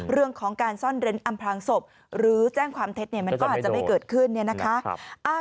เรื่องของการซ่อนเร้นอำพลางศพหรือแจ้งความเท็จเนี่ยมันก็อาจจะไม่เกิดขึ้นเนี่ยนะคะ